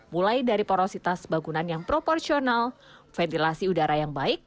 mulai dari porositas bangunan yang proporsional ventilasi udara yang baik